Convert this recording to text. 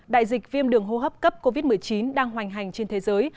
đại dịch viêm đường hô hấp cấp covid một mươi chín đang hoành hành trên thế giới